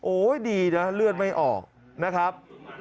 โอ๊ยดีนะเลื่อนไม่ออกนะครับ